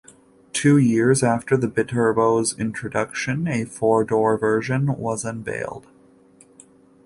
Two years after the Biturbo's introduction a four-door version was unveiled.